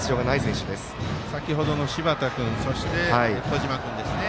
先ほどの柴田君兒島君ですね。